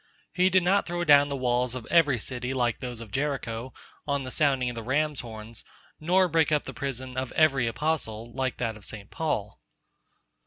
He did not throw down the walls of every city like those of Jericho, on the sounding of the rams horns, nor break up the prison of every apostle, like that of St. Paul.